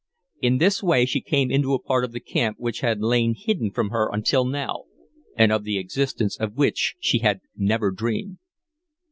In this way she came into a part of the camp which had lain hidden from her until now, and of the existence of which she had never dreamed.